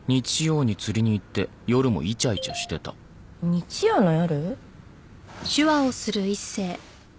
日曜の夜？